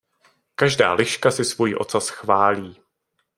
Každá liška si svůj ocas chválí.